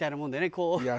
こう。